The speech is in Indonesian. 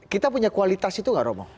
kita punya kualitas itu gak romo